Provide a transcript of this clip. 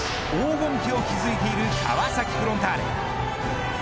黄金期を築いている川崎フロンターレ。